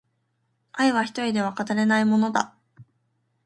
愛は一人では語れないものだ